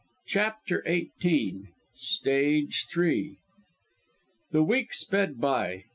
CHAPTER XVIII STAGE THREE The weeks sped by.